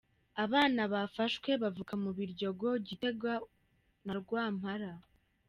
Abana bafashwe bavuka mu Biryongo, Gitega na Rwampara.